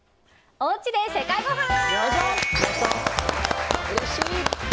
おうちで世界ごはん。